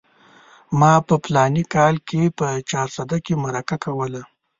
ما په فلاني کال کې په چارسده کې مرکه کوله.